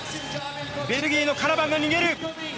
ベルギーのカラバンが逃げる！